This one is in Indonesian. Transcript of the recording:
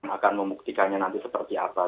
akan membuktikannya nanti seperti apa